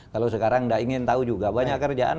kalau sekarang tidak ingin tahu juga banyak kerjaan